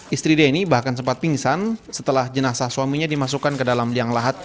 istri denny bahkan sempat pingsan setelah jenasa suaminya dimasukkan ke dalam liang lahat